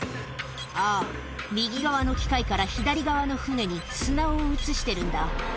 あぁ右側の機械から左側の船に砂を移してるんだ